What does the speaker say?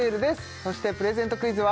そしてプレゼントクイズは？